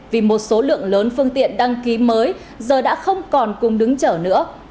vì một số lượng lớn phương tiện đăng ký mới giờ đã không còn cùng đứng chở nữa